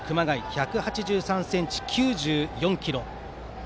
１８３ｃｍ、９４ｋｇ。